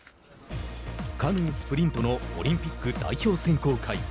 カヌー・スプリントのオリンピック代表選考会。